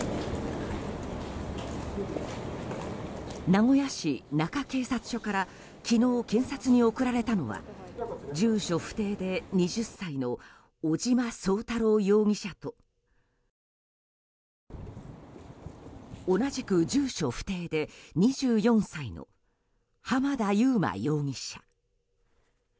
名古屋市中警察署から昨日、検察に送られたのは住所不定で２０歳の尾島壮太郎容疑者と同じく住所不定で２４歳の浜田祐摩容疑者。